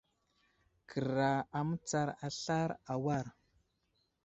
Kəra a mətsar aslar a war.